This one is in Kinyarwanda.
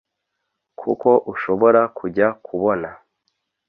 kuko ushobora kujya kubona